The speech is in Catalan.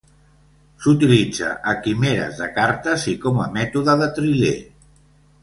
S"utilitza a quimeres de cartes i com a mètode de triler.